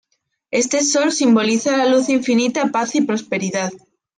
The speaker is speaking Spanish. Este sol simboliza la luz infinita, paz y prosperidad.